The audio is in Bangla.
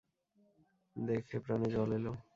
দেখে প্রাণে জল এলো।